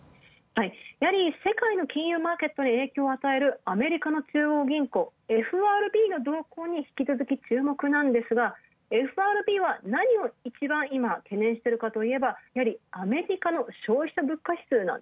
やはり世界の金融マーケットに影響を与えるアメリカの中央銀行、ＦＲＢの動向に再び注目なんですが、ＦＲＢは今一番何を懸念してるかといえば、やはりアメリカの消費者物価指数。